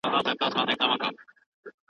تاسو باید د خپلو استادانو احترام وکړئ.